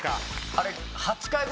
あれ。